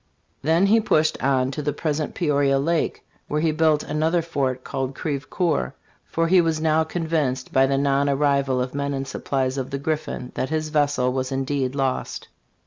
Then he pushed on to the present Peoria lake, where he built another fort called Crevecoeur, for he was now convinced, by the non arrival of men and supplies of the Griffin, that his vessel was indeed lost.